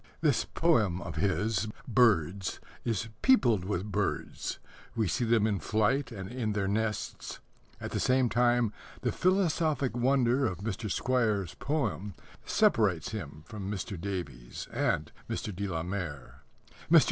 This poem of his, Birds, is peopled with birds. We see them in flight and in their nests. At the same time, the philosophic wonder of Mr. Squire's poem separates him from Mr. Davies and Mr. de la Mare. Mr.